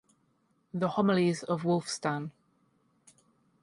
The Homilies of Wulfstan.